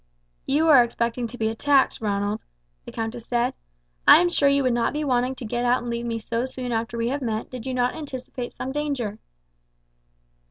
"You are expecting to be attacked, Ronald," the countess said. "I am sure you would not be wanting to get out and leave me so soon after we have met did you not anticipate some danger."